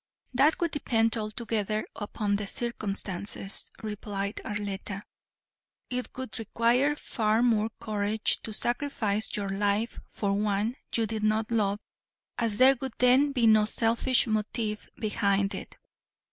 "That would depend altogether upon the circumstances," replied Arletta. "It would require far more courage to sacrifice your life for one you did not love as there would then be no selfish motive behind it.